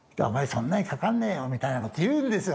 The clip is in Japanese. そんなにかかんねえよ」みたいなことを言うんですよ